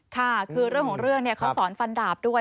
ค่ะคือเรื่องของเรื่องเขาสอนฟันดาบด้วย